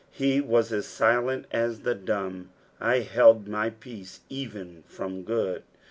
He was as silent as the dumb. " Ihtld tny peace, even from good."